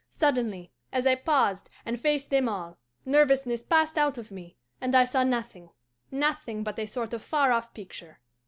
Suddenly, as I paused and faced them all, nervousness passed out of me, and I saw nothing nothing but a sort of far off picture.